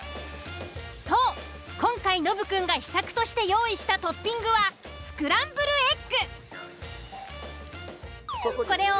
そう今回ノブくんが秘策として用意したトッピングはスクランブルエッグ。